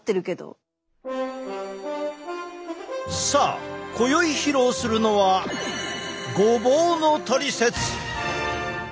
さあ今宵披露するのはごぼうのトリセツ！